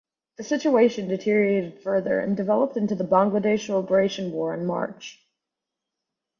The situation deteriorated further and developed into the Bangladesh Liberation War in March.